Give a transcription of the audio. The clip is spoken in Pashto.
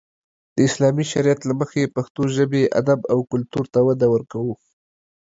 د اسلامي شريعت له مخې پښتو ژبې، ادب او کلتور ته وده ورکو.